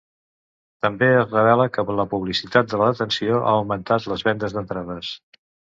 També es revela que la publicitat de la detenció ha augmentat les vendes d’entrades.